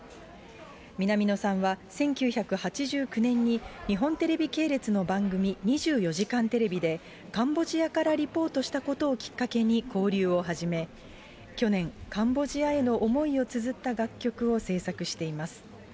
南野さんは、１９８９年に日本テレビ系列の番組、２４時間テレビでカンボジアからリポートしたことをきっかけに交流を始め、去年、カンボジアへの思いをつづった楽曲を制作しています。